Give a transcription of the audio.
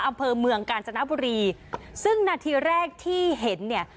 อำเภอเมืองกาญจนบุรีซึ่งนาทีแรกที่เห็นเนี่ย